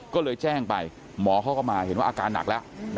ก็เลยแจ้งไปหมอเขาก็มาเห็นว่าอาการหนักแล้ว